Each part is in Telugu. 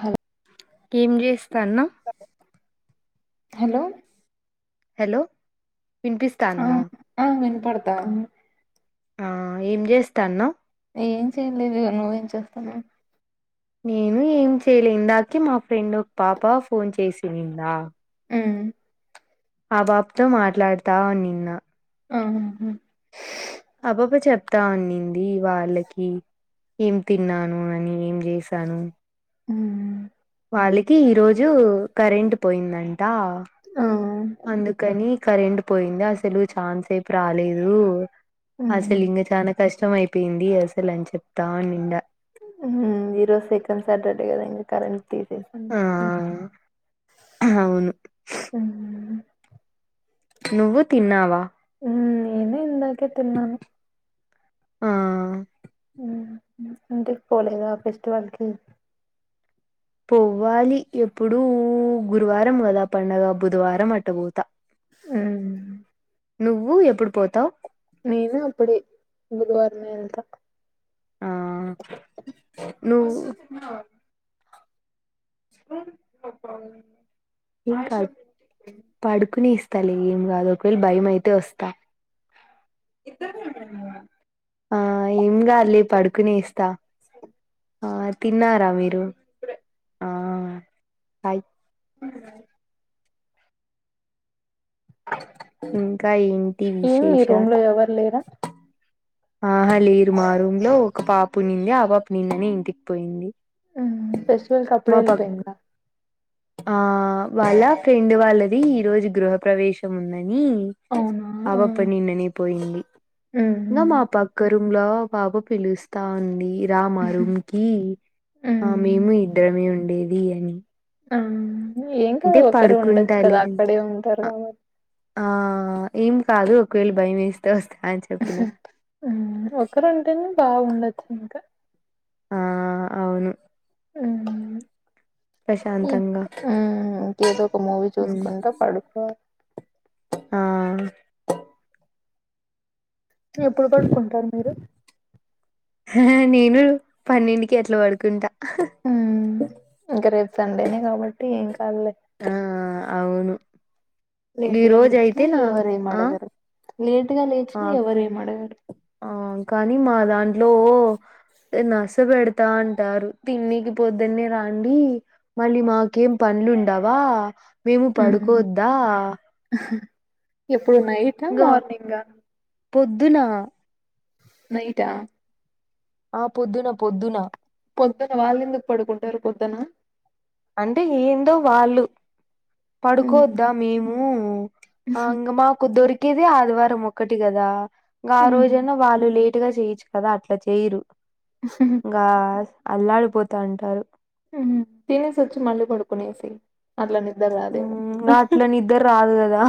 హలో ఏం చేస్తా అన్నా హలో హలో ఆ వినిపిస్తోందా ఆ వినుపడతంది ఆ ఏం చేస్తా అన్నా ఏం చేయలేదు నువ్వేం చేస్తానవ్ నేను ఏం చేయలేందాక మా ఫ్రెండ్ ఒక పాప ఫోన్ చేసిందా ఉమ్ ఆ పాపతో మాట్లాడతా ఉన్నినా ఆ ఆ ఆ పాప చెప్తా అన్నింది వాళ్ళకి ఏం తిన్నాను అని ఏం చేసాను ఉమ్ వాళ్ళకి ఈరోజు కరెంట్ పోయిందండి ట ఆ అందుకని కరెంట్ పోయింది అసలు చాన్సేపు రాలేదు ఆ ఉమ్ సలింగ చాణక కష్టం అయిపోయింది అసలు అని చెప్తా నిండా ఉమ్ ఈరోజు సెకండ్ సాటర్డే కదా కరెం తీసేసా ఆ అవును ఉమ్ హు నువ్వు తిన్నావా ఉమ్ నేను ఇందాకె తిన్న్నాను ఆ ఉమ్ అంటికి పోలేదా ఫెస్టివల్ కి పోవ్వాలి ఎప్పుడుూ గురువారం కదా పండగ బుధవారం అట్టపోత ఉమ్ నువ్వు ఎప్పుడు పోతావ్ నేను అప్పుడే బుధవారం ఏ ఎల్తా ఆ నువ్ ఏం కాదు పడుకుని ఇస్తలే ఏం కాదు ఒకవేళ భయం అయితే వస్తా ఆ ఏమి కా లే పడుకునే ఇస్తా ఆ తిన్నారా మీరు ఆ అయిత్ ఇంకా ఇం ఏం మీ రూమ్ లో ఎవరు లేరా ఆహా లేరు మా రూమ్ లో ఒక పాప ఉనింది ఆ పాప నిన్ననే ఇంటికి పోయింది ఉహ్ ఫెస్టివల్ ఆప్పుడే మా పక్ వెళ్ళిపోయిందా ఆ వాళ్ళ ఫ్రెండ్ వాళ్ళది ఈ రోజు గృహ ప్రవేశం ఉన్నాది. నీ అవునా ఆ అవా పని ఉందనే పోయింది ఉమ్ మా పక్కరు రూమ్లో పాప పిలుస్తా అంది రా మా రూమ్ కి ఆ ఉమ్ మేము ఇద్దరమే ఉండేది బిర్యానీ అవునా ఏం కాదు ఒకరే ఉండొచ్చు పడుకుంటాలే కదా అని అక్కడే ఉంటారు. కాబ ఆ ఏం కాదు ఒకవేళ భయం వేస్తే వస్త ఉహ్ ఒకరు ఉంటేనే బాగుండ ఇంకా ఆ అవును ఉహ్ హు ప్రశాంతంగా ఇంకేదో ఒక మూవీ ఉహ్ చూసుకుంటా పడుకోవాలి. ఆ ఎప్పుడు పడుకుంటారు. మీరు హా హా నేను పన్నెండికి అట్లా పడుకుంటా హ్ ఇంకా రేప్ సండేనే కాబట్టి ఎంక సర్లే ఆ అవును ఈ లేటుగా రోజు లేచిన అయితే నా ఎవరు ఏం ఆ అడగారు. లెట్ ఆ ఆ కానీ మా దాంట్లో ఓ నస పెడతా అంటరు. తిన్నికి పోద్దన్నే రండి మళ్ళీ మాకేం పనులుండవా మేము పడుకోద్దా ఇప్ ప్పుడు నైటా ఇంగో మార్నింగ పొద్దున నైటా ఆ పొద్దున పొద్దున పొద్దున వాళ్ళు ఎందుకు పడుకుంటారు. పొద్దన అంటే ఏందో వాళ్ళు హ్మ్. పడుకోద్దా మేము ఆంగా మాకు దొర్ కిధే ఆదివారం ఒక్కటి గాదా గా రోజన్న హ్మ్. వాళ్ళు లేట్ టూగా చేయచ్చు కదా అట్లా చేయరు. గాస్ అల్లాడిపోతా అంటారు. హ్ తినేసి వచ్చి మళ్ళి పడుకొనేేసి హ్ అట్లా నిద్దర రాదు కదా.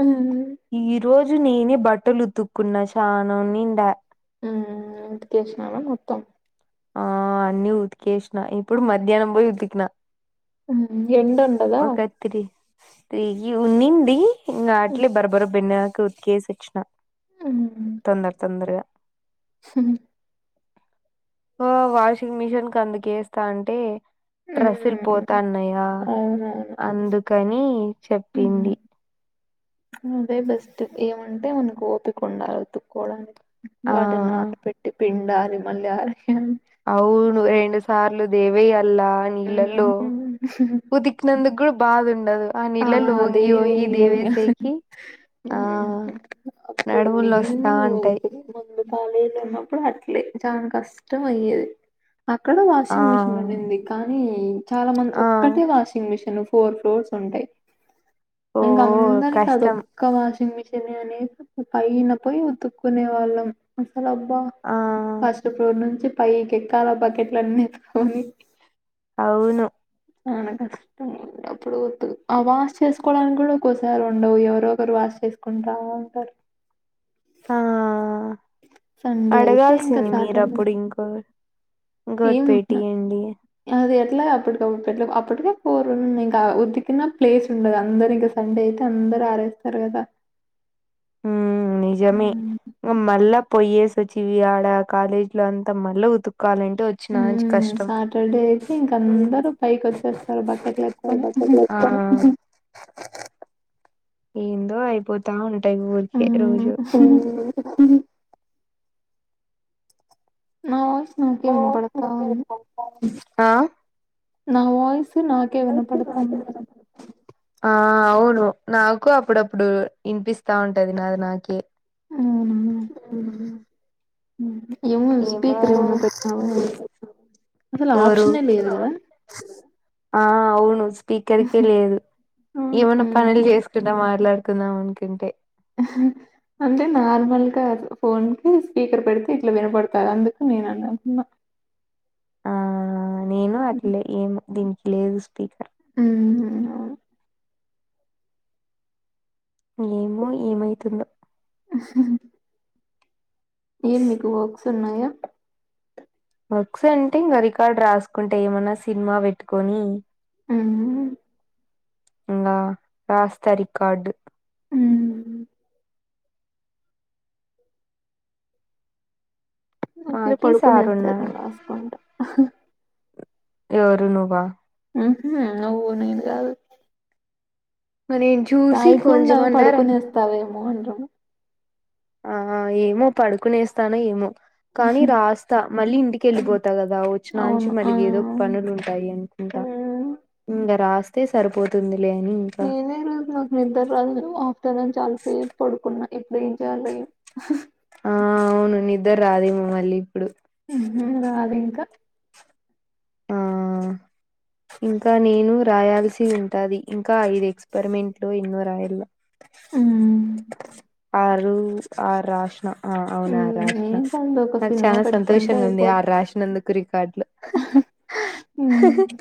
హ్మ్. ఈ రోజు నేనే బట్టలు ఉతుకున్నా చానా నిండా హ్ ఉతికేసినావా మొత్తం. ఆ అన్ని ఉతికేసిన ఇప్పుడు మధ్యాహ్నం పోయి ఉతికినా. హుహ్ ఎండుండదా. ది ఉన్నింది. ఇంగా హ్మ్. అట్లే బరా బరా బిండినా. ఇంకా ఉత్కేేసి వచ్చినా. తొందర తొందరగా. హ్ ఓ వాషింగ్ మిషిన్ కి అందుకేస్తా అంటే డ్రస్సులు హ్మ్. పోతాన్నాయా అవునవును. అందుకని చెప్పింది. హ్మ్. అదే బెస్ట్ ఏమంటే మనకు ఓపిక ఉండాలి ఉతుకోడానికి ఆ వాటిని నాన పెట్టి పిండా మళ్ళీ ఆరె అవును రెండు సార్లు దేవి ల్లా నీళ్ళల్లో హ్మ్. ఉతిక్ నందుకు కూడా బాదుండదు. ఆ నీళ్ళల్లో వంగి అదేవి వంగి ఉన్నా దేవేసేకి ఆ హ్మ్. అప్పుడు నడుములు నేను నోస్తా ఉంటాయి. [inaudible] కాలేజీలో ఉన్నప్పుడు అట్లే చానా కష్టం అయ్యేది. అక్కడ ఆ వాషింగ్ మిషిన్ ఉండింది. కానీ చాలా మంది ఆ ఒక్కటే వాషింగ్ మిషన్. ఫోర్ ఫ్లోర్స్ ఉంటయి. ఓ ఇంగా అందరికి కష్టం అదొక్కా వాషింగ్ మెషీన్ అనేసి పయినపోయి ఉతుక్కునే వాళ్ళం. అసలు అబ్బా ఆ ఫస్ట్ ఫ్లోర్ నుంచి పైకి ఎక్కాల బకెట్లన్ని ఎత్తుకొని అవును. చానా కష్టం అప్పుడు పోతు ఆ వాష్ చేసుకోవడానికి కూడా ఒక్కోసారి ఉండవు, ఎవరో ఒకరు వాష్ చేసుకుంటా ఉంటారు. ఆ సండే అయితే ఇంకా అడగాల్సింది సాటర్డే మీరప్పుడు ఇంకో ఇంగోటి ఏం ఉన్నా- పెట్టీయండి. అది ఎట్లా అప్పటికప్పుడు పెట్ అప్పటికే పోరుంది ఇంకా ఉదికిన్న ప్లేస్ ఉండదు అందరు ఇంక సండే అయితే అందరు ఆరేస్తారు గదా హుమ్ నిజమే మళ్ళ పొయ్యేసి వచ్చివి ఆడ కాలేజ్ లో అంతా మళ్ళ ఉతుకు క్కో వాలంటే వచ్చిన చి మ్మ్ కష్టం సాటర్డే అయితే ఇంక అందరూ పైకి వచ్చేస్తారు బకెట్లు ఎత్తుకొని ఆఆ ఏందో అయిపోతా ఉం ఏం ఊరికే రోజు హామ్ మ్మ్ హామ్ నోస్ నాకే వినుపడతా ఉంది ఆ నా వయిస్ నాకే వినపడతాంది ఆ అవును నాకు అప్పుడప్పుడు ఇనిపిస్తా ఉంటది నాది నాకే అవును ఉహూ ఏమో స్పీకర్ ఏమన్నా పెట్టినావ అసలు ఎవరు ఆప్షనే లేదు కదా అ స్పీకర్కే లేదు అవును ఏమన్న మ్మ్ పనులు చేసుకుంట మా ట్లడు కుందామ నుకుంటే ఆహా అంటే నార్మల్గా ఫోన్ కి స్పీకర్ పెడితే ఇట్లా వినపడతాది అందుకు నేను అన్నాంటున్న ఆ నేను అట్లే ఏం దీనికి లేదు స్పీకర్ మ్ మ్ అవును ఏమో ఏమైతుందో హా ఏం మీకు వాక్ సున్నాయ వర్క్స్ అంటే ఇగ రికార్డు రాసుకుంటే ఏమన్నా సినిమా పెట్టుకొని మ్ మ్ ఇంగా రాస్త రికార్డు హా అట్లి మాకి పడుకునేస్తా సారున్నాడు రాస్కుంట ఎవరు నువ్వా ఉ హూ నువ్వు నేను కాదు నేను చూసి రాయకుండా కొంచెమన్నా రా పడుకునేస్తావేమో అని ఆ ఆ ఏమో పడుకునేస్తాను ఏమో కానీ రాస్తా మళ్ళీ ఇంటికి వెళ్ళిపోతా కదా వచ్చినంచి అవును ఆ మళ్ళీ ఏదో పనులు ఉంటాయి అనుకుంటా మ్మ్ ఇంకా రాస్తా ఇదే సరిపోతుంది అని నేను ఈ రోజు నాకు నిద్దర రాదు ఆఫ్టర్ నూన్ చాలాసేపు పడుకున్న ఇప్పుడు ఏం చేయాలొ ఏమో ఆ అవును నిద్దర రాదేమె మల్లి ఉహుమ్ రాదింకా ఆ ఇంకా నేను రాయాల్సి ఉంటాది ఇంకా ఐదు ఎక్స్పెరిమెంట్ లు ఎన్నో రాయల్ల ఊమ్ రూ ఆర్రాసిన ఆ అవునా ఉమ్, రాసిన ఏం కాదు ఒక నాకు సినిమా చాలా పెట్టుకుంటే సంతోషంగా ఉంది అయిపోద్ది ఆరు రాసినందుకు రికార్డులు ఉమ్,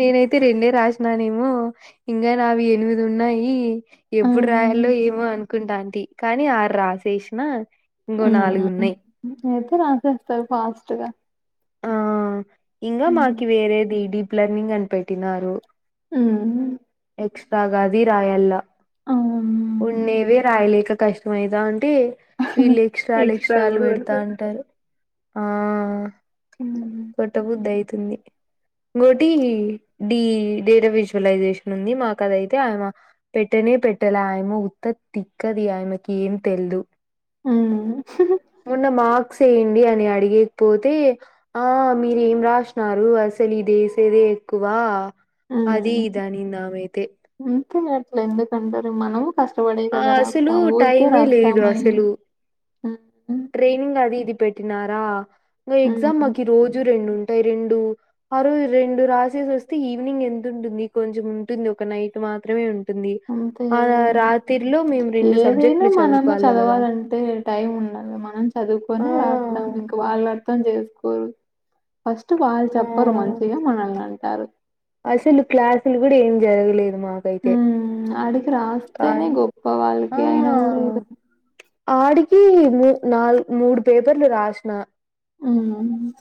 నేనైతే రెండే రాసినానేమో ఇంకా నావి ఎనిమిది ఉన్నాయి ఆ ఎప్పుడు రాయల్లో ఏమో అన్ అనుకుంటాంటి కానీ ఆరు రాసేసినా ఇంగో ఉమ్ నాలుగున్నాయి అయితే రాసేస్తారు ఫాస్ట్ గా ఆఅ ఇంగ మాకి వేరేదిది లర్నింగ్ అని పెట్టినారు ఊమ్ ఇష్త గది రాయల్ల అవును ఉండేవే రాయలేక కష్టమైతాంది కాబట్టి వీళ్ళు ఎక్స్ట్రాలు ఎక్స్ట్రా ఎక్స్ట్రాలు కూడా పెడతా పెడతారు అంటారు ఆ ఉమ్ కొట్టబుద్దయి అయితుంది ఇంకోటి డి డేటా విజువలైజేషన్ ఉంది మాకు అదైతే ఆమె పెట్టనే పెట్టల ఆ ఉ ఉత్త తిక్కది ఆమెకి ఏం తెల్దు ఊఉ మెన్న మాక్ మార్క్స్ వేయండి అని అడిగేకిపోతే ఆ మీరేం రాసినారు అసలు ఇది ఏసేదే ఎక్కువ అది ఇది అనింది ఆమైతే ఊరికే అట్లా ఎందుకంటారు మనం ఆ అసలు టైమే లేదు రాస్తామా అసలు ఉమ్ ట్రైనింగ్ అది ఇది పెట్టినార మీ ఎగ్జామ్ ఉమ్ మాకి రోజు రెండుం ఉంటాయి రెండు ఆ రోజు రెండు రాసేసి వస్తే ఈవినింగ్ ఎంత ఉంటుంది కొంచెం ఉంటుంది ఒక నైట్ మాత్రమే ఉంటు తుంది అంతే ఆ రా కదండి రాత్ ఏదైనా మనము కదా చదవాలంటే టైం ఉండాల, మనం ఆ చదువుకొనే రాస్తాం ఇంకా వాళ్ళర్థం [unintelligible] జేసుకోరు ఫస్ట్ వాళ్ళ్ ఆ చెప్పరు మంచిగా మనల్ని అన్ టారు అసలు క్లాసులు కూడా ఏం జరగలేద్ హ్మ్ అడికి రాస్తేనే కానీ గొప్ప ఆ వాళ్ళకి అయినా కూడా [unintelligible] ఆడికి మూ నాలుగు మూడు పేపర్లు రాస్నా హ్మ్ మ్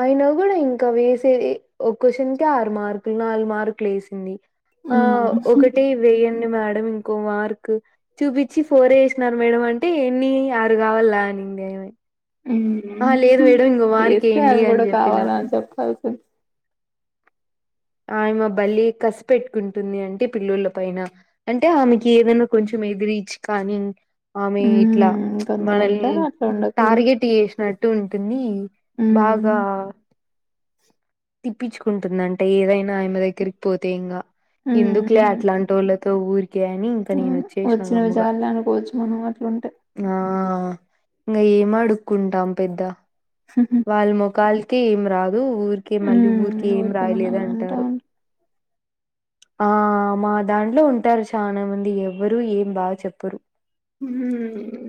అయిన కూడా ఇంకా వేసేవి ఒక్కోషన్కే ఆర్ మార్కులు నాలుగు మార్కులు వేసింది ఆ మ్మ్ ఒకటి వెయ్యం మేడం ఇంకో మార్క్ చూపించి ఫోర్ ఎ వేసినారు మేడం అంటే ఎన్ని ఆరు కావాల అనింది ఆమ మ్మ్ మ్ హ్మ్ ఎస్తే వేయండి అవి అని కూడా చెప్పిన కావాల అని చెప్పాల్స్ పున్ ఆమె బల్లి కశిపెట్టుకుంటుంది అంటే పిల్లోల పైన అంటే ఆమెకి ఏదైనా కొంచెం ఎదిరిచి కానీ ఆమె ఇట్ల మ్మ్ కొందరు మనల్ని ఉంటారు అట్లా ఉండకూడదు టార్గెట్ చేసినట్టు ఉంటుంది బాగా మ్మ్ తిప్పించుకుంటుంది అంటే ఏదైనా ఆయమె దగ్గరికి పోతే ఇంకా ఎందుకులే మ్మ్ అట్లాంటి వాళ్ళ తౌరి వచ్చినవి చాల అనుకోవచ్చు మనం అట్లాంటే ఇంకా ఏం అడుక్ంటాం పెద్ద వా మోకాల తీమ్ రా ఊరికే మళ్ళీ హ్మ్ ఊరిక ఏం ఊరికే రాయలేదు మనల్ని అంటారు ఆ మా దాంట్లో ఉంటారు చాలా మంది ఎవ్వరు ఏం బాగా చెప్పరు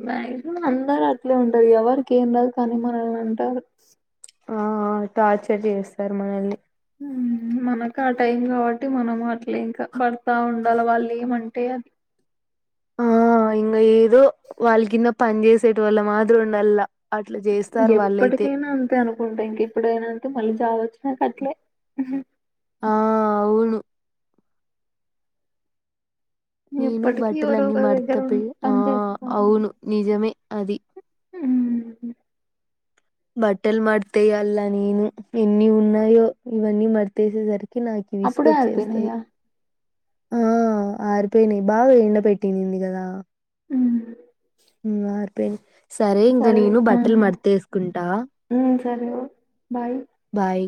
మ్యాక్సిమం అందరు అట్లే ఉంటారు ఎవరికి ఏం రాదు కానీ మనల్ని అంటారు ఆ టార్చర్ చేస్తారు మనల్ని మనకు ఆ టైం కాబట్టి మనం అట్లే ఇంకా పడతా ఉండాలి వాళ్ళు ఏమంటే అది ఆ ఇంకా ఏదో వాళ్ళ కింద పని చేసేట వల్ల మాత్ర ఉండల్లా అట్లా చేస్తారు వాళ్ళైతే ఎప్పటికైనా అంతే అనుకుంటా ఇంక ఎప్పుడైనా అంతే మళ్ళీ చావచ్చు నక్ అట్లే ఆ అవును నేను ఎప్పటికీ ఎవరో బట్టలన్నీ ఒకరి మర్త దగ్గర ఆ పని చేస్తాం అవును నిజమే అది హమ్ బట్టలు మతాయ అల్లా నేను ఎన్ని ఉన్నాయో ఇవన్నీ మడతసే సరికి కి నాకి అప్పుడే విసుకొచ్చేస్తుంది అయిపోయినాయా ఆ ఆరిపోయినాయి బాగా ఎండ పెట్టినంది కదా హ్మ్ ఆరిపోయాయి సరే ఇంక నేను బట్టలు మర్త వేసుకుంటా హ్మ్ సరే బాయ్ బాయ్